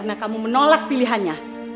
karena kamu menolak pilihannya